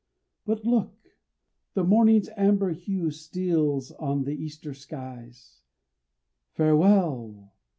But look! the morning's amber hue Steals on the Easter skies, Farewell!